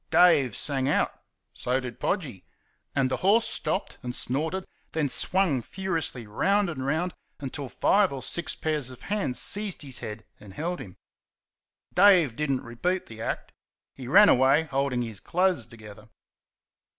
Dave sang out, so did Podgy. And the horse stopped and snorted, then swung furiously round and round until five or six pairs of hands seized his head and held him. Dave did n't repeat the act. He ran away holding his clothes together.